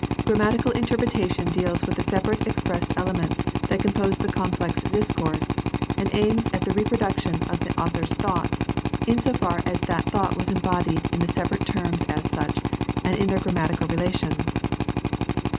Grammatical interpretation deals with the separate expressed elements that compose the complex discourse, and aims at the reproduction of the author's thought in so far as that thought was embodied in the separate terms as such and in their grammatical relations.